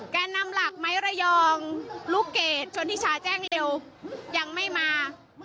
แกนนำหลักไม้ระยองลูกเกดชนทิชาแจ้งเร็วยังไม่มา